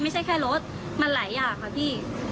ไม่ใช่แค่รถมันหลายอย่างค่ะพี่